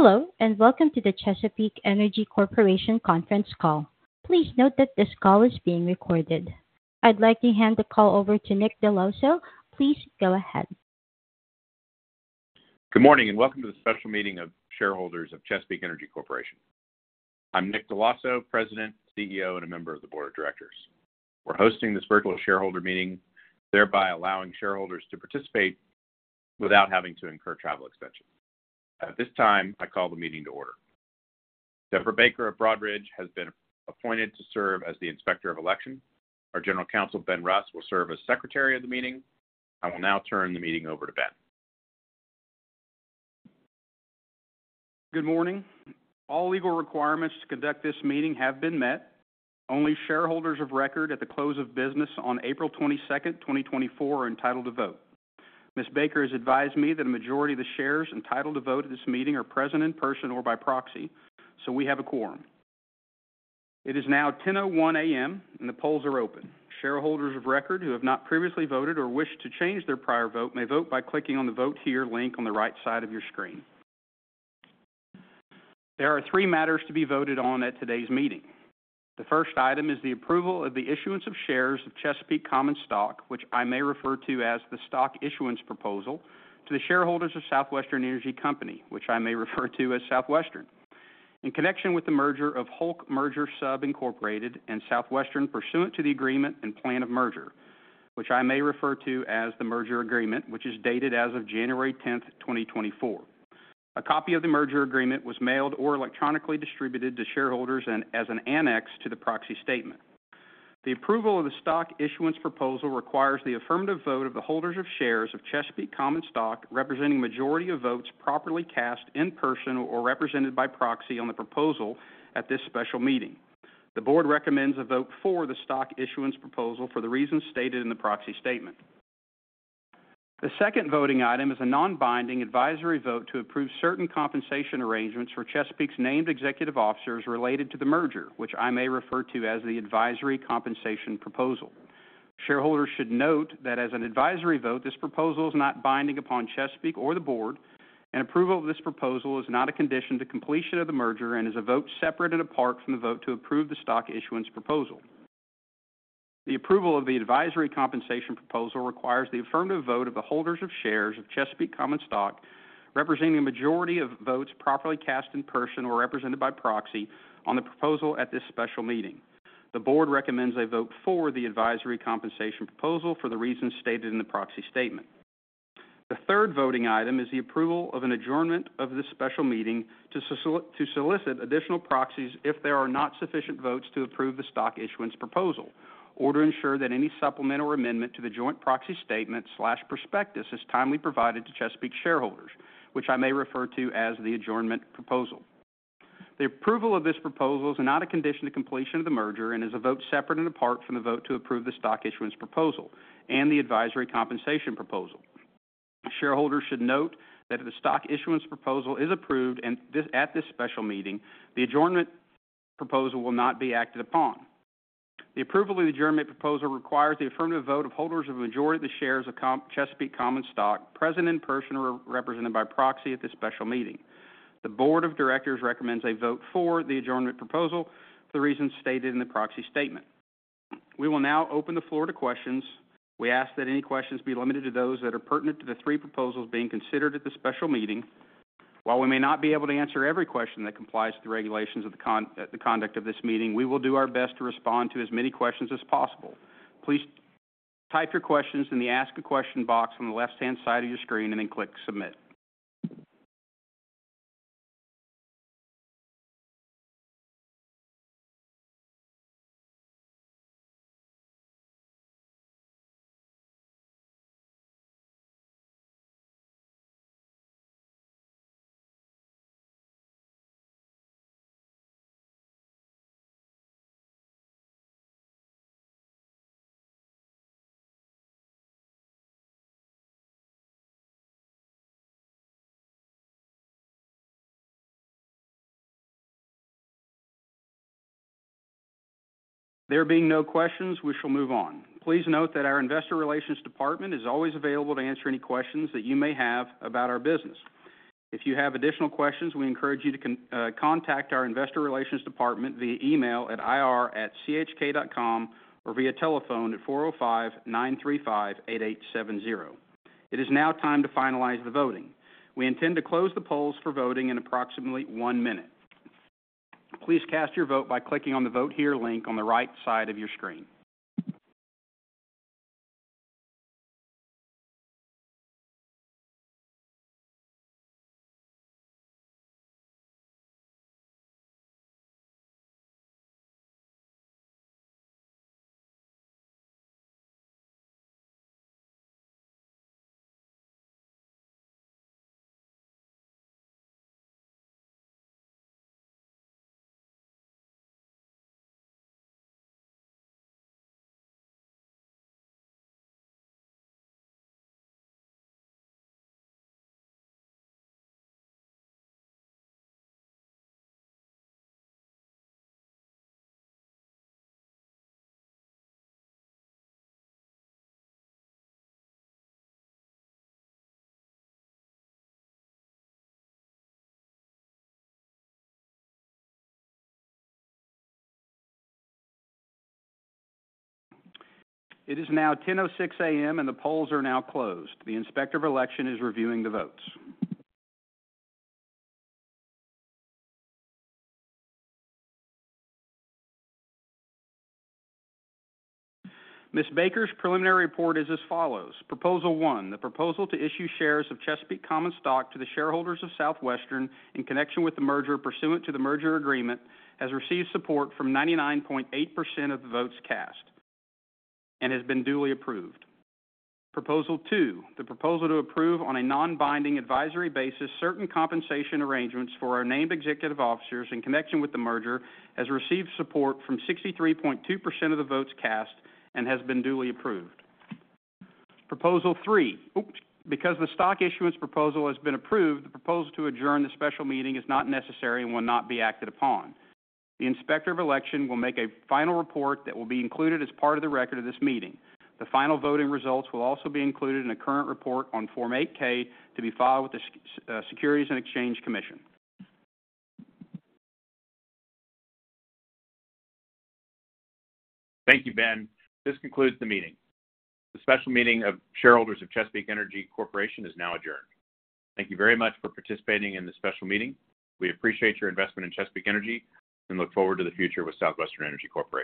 Hello, and welcome to the Chesapeake Energy Corporation conference call. Please note that this call is being recorded. I'd like to hand the call over to Nick Dell'Osso. Please go ahead. Good morning, and welcome to the special meeting of shareholders of Chesapeake Energy Corporation. I'm Nick Dell'Osso, President, CEO, and a member of the board of directors. We're hosting this virtual shareholder meeting, thereby allowing shareholders to participate without having to incur travel expenses. At this time, I call the meeting to order. Deborah Baker of Broadridge has been appointed to serve as the inspector of election. Our general counsel, Ben Russ, will serve as secretary of the meeting. I will now turn the meeting over to Ben. Good morning. All legal requirements to conduct this meeting have been met. Only shareholders of record at the close of business on April 22, 2024, are entitled to vote. Ms. Baker has advised me that a majority of the shares entitled to vote at this meeting are present in person or by proxy, so we have a quorum. It is now 10:01 A.M., and the polls are open. Shareholders of record who have not previously voted or wish to change their prior vote may vote by clicking on the Vote Here link on the right side of your screen. There are three matters to be voted on at today's meeting. The first item is the approval of the issuance of shares of Chesapeake Common Stock, which I may refer to as the Stock Issuance Proposal, to the shareholders of Southwestern Energy Company, which I may refer to as Southwestern, in connection with the merger of Hulk Merger Sub, Inc and Southwestern pursuant to the Agreement and Plan of Merger, which I may refer to as the Merger Agreement, which is dated as of January 10, 2024. A copy of the Merger Agreement was mailed or electronically distributed to shareholders as an annex to the proxy statement. The approval of the Stock Issuance Proposal requires the affirmative vote of the holders of shares of Chesapeake Common Stock, representing a majority of votes properly cast in person or represented by proxy on the proposal at this special meeting. The board recommends a vote for the Stock Issuance Proposal for the reasons stated in the proxy statement. The second voting item is a non-binding advisory vote to approve certain compensation arrangements for Chesapeake's named executive officers related to the merger, which I may refer to as the Advisory Compensation Proposal. Shareholders should note that as an advisory vote, this proposal is not binding upon Chesapeake or the board, and approval of this proposal is not a condition to completion of the merger and is a vote separate and apart from the vote to approve the Stock Issuance Proposal. The approval of the Advisory Compensation Proposal requires the affirmative vote of the holders of shares of Chesapeake Common Stock, representing a majority of votes properly cast in person or represented by proxy on the proposal at this special meeting. The board recommends a vote for the Advisory Compensation Proposal for the reasons stated in the proxy statement. The third voting item is the approval of an adjournment of this special meeting to solicit additional proxies if there are not sufficient votes to approve the Stock Issuance Proposal, or to ensure that any supplement or amendment to the Joint Proxy Statement/Prospectus is timely provided to Chesapeake shareholders, which I may refer to as the Adjournment Proposal. The approval of this proposal is not a condition to completion of the merger and is a vote separate and apart from the vote to approve the Stock Issuance Proposal and the Advisory Compensation Proposal. Shareholders should note that if the Stock Issuance Proposal is approved at this special meeting, the Adjournment Proposal will not be acted upon. The approval of the Adjournment Proposal requires the affirmative vote of holders of a majority of the shares of Chesapeake Common Stock, present in person or represented by proxy at this special meeting. The board of directors recommends a vote for the Adjournment Proposal for the reasons stated in the proxy statement. We will now open the floor to questions. We ask that any questions be limited to those that are pertinent to the three proposals being considered at this special meeting. While we may not be able to answer every question that complies with the regulations of the conduct of this meeting, we will do our best to respond to as many questions as possible. Please type your questions in the Ask a Question box on the left-hand side of your screen and then click Submit. There being no questions, we shall move on. Please note that our Investor Relations Department is always available to answer any questions that you may have about our business. If you have additional questions, we encourage you to contact our Investor Relations Department via email at ir@chk.com or via telephone at 405-935-8870. It is now time to finalize the voting. We intend to close the polls for voting in approximately one minute. Please cast your vote by clicking on the Vote Here link on the right side of your screen. It is now 10:06 A.M., and the polls are now closed. The inspector of election is reviewing the votes. Ms. Baker's preliminary report is as follows. Proposal one, the proposal to issue shares of Chesapeake Common Stock to the shareholders of Southwestern in connection with the merger pursuant to the merger agreement, has received support from 99.8% of the votes cast and has been duly approved. Proposal two, the proposal to approve on a non-binding advisory basis certain compensation arrangements for our named executive officers in connection with the merger, has received support from 63.2% of the votes cast and has been duly approved. Proposal three, because the Stock Issuance Proposal has been approved, the proposal to adjourn the special meeting is not necessary and will not be acted upon. The inspector of election will make a final report that will be included as part of the record of this meeting. The final voting results will also be included in a current report on Form 8-K to be filed with the Securities and Exchange Commission. Thank you, Ben. This concludes the meeting. The special meeting of shareholders of Chesapeake Energy Corporation is now adjourned. Thank you very much for participating in the special meeting. We appreciate your investment in Chesapeake Energy and look forward to the future with Southwestern Energy Company.